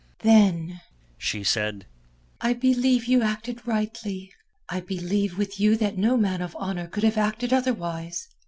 "Then," she said, "I believe you acted rightly. I believe with you that no man of honour could have acted otherwise.